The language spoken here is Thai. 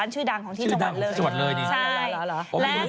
ชื่อดังของที่จังหวัดเลยนะครับชื่อดังของที่จังหวัดเลยนี่